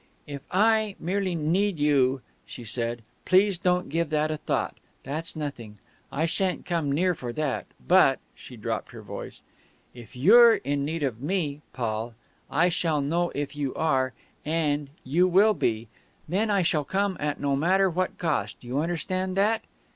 "If I merely need you," she said, "please don't give that a thought; that's nothing; I shan't come near for that. But," she dropped her voice, "if you're in need of me, Paul I shall know if you are, and you will be then I shall come at no matter what cost. You understand that?"